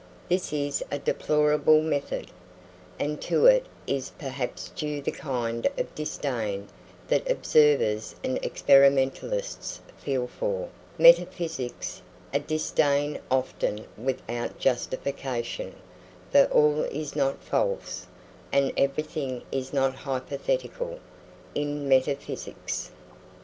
This is a deplorable method, and to it is perhaps due the kind of disdain that observers and experimentalists feel for metaphysics a disdain often without justification, for all is not false, and everything is not hypothetical, in metaphysics.